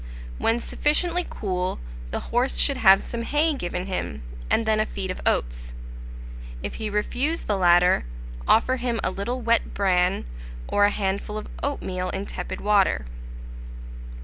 When sufficiently cool, the horse should have some hay given him, and then a feed of oats: if he refuse the latter, offer him a little wet bran, or a handful of oatmeal in tepid water.